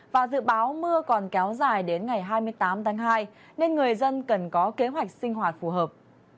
và dự báo mưa còn kéo dài đến ngày hai mươi tám tháng hai nên người dân cần có kế hoạch sinh hoạt phù hợp